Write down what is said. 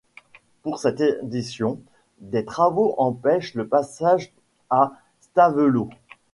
Pour cette éditions des travaux empêchent le passage à Stavelot.